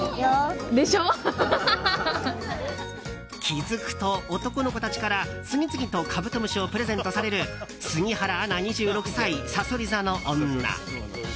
気づくと、男の子たちから次々とカブトムシをプレゼントされる杉原アナ、２６歳さそり座の女。